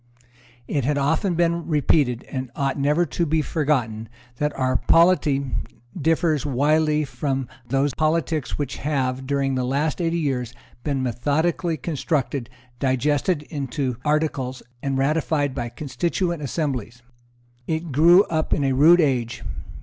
It has often been repeated, and ought never to be forgotten, that our polity differs widely from those politics which have, during the last eighty years, been methodically constructed, digested into articles, and ratified by constituent assemblies. It grew up in a rude age.